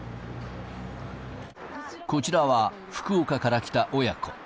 こちらは福岡から来た親子。